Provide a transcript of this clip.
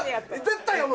絶対読む！